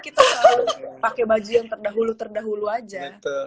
kayaknya kok pake baju yang terdahulu terdahulu aja